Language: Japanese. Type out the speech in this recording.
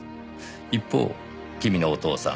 一方君のお父さん